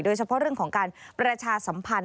โดยเฉพาะเรื่องของการประชาสัมพันธ์